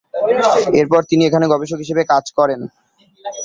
এরপর তিনি এখানে গবেষক হিসেবে কাজ করেন।